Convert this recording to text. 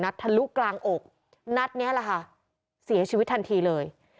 ทะลุกลางอกนัดนี้แหละค่ะเสียชีวิตทันทีเลย